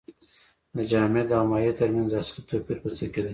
د جامد او مایع ترمنځ اصلي توپیر په څه کې دی